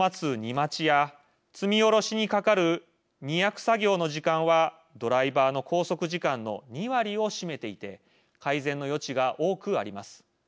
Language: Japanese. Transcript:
待ちや積み下ろしにかかる荷役作業の時間はドライバーの拘束時間の２割を占めていて改善の余地が多くあります。